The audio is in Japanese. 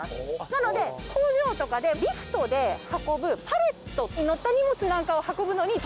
なので工場とかでリフトで運ぶパレットに載った荷物なんかを運ぶのにとっても便利なコンテナです。